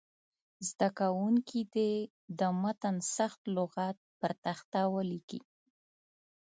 زده کوونکي دې د متن سخت لغات پر تخته ولیکي.